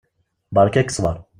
Beṛka-k ssbeṛ!